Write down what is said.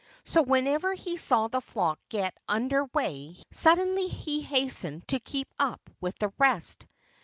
So whenever he saw the flock get under way suddenly he hastened to keep up with the rest.